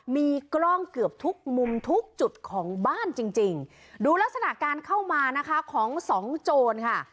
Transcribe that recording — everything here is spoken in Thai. มีกล้องเกือบทุกมุมทุกจุดของบ้านจริงจริงดูลักษณะการเข้ามานะคะของสองโจรค่ะ